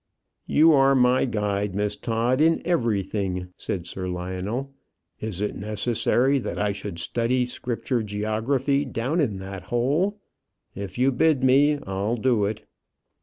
"You are my guide, Miss Todd, in everything," said Sir Lionel. "Is it necessary that I should study scripture geography down in that hole? If you bid me, I'll do it."